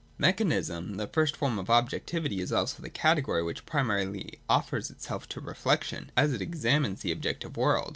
Mechanism, the first form of objectivity, is also the category which primarily offers itself to reflection, as it examines the objective world.